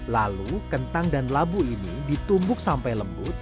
lalu kentang dan labu ini ditumbuk sampai lembut